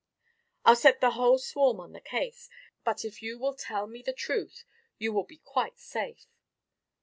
"I'll set the whole swarm on the case. But if you will tell me the truth, you will be quite safe."